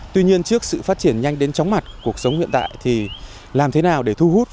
tuy nhiên trước sự phát triển nhanh đến chóng mặt cuộc sống hiện tại thì làm thế nào để thu hút